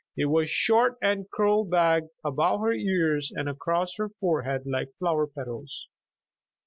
It was short, and curled back above her ears and across her forehead like flower petals.